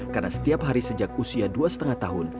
karena setiap hari sejak usia dua lima tahun